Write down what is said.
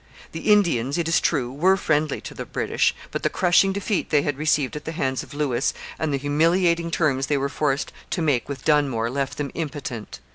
The Indians, it is true, were friendly to the British, but the crushing defeat they had received at the hands of Lewis and the humiliating terms they were forced to make with Dunmore left them impotent.